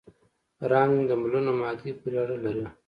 رنګ د ملونه مادې پورې اړه لري.